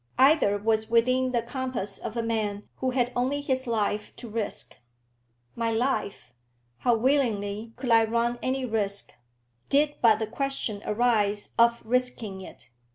either was within the compass of a man who had only his own life to risk. My life, how willingly could I run any risk, did but the question arise of risking it!